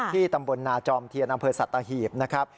ที่ตำบลนาจอมเทียรัฐนำเภอสัตว์ตะหีบนะครับ